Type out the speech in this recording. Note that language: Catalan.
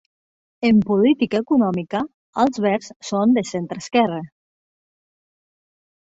En política econòmica, els verds són de centre-esquerra.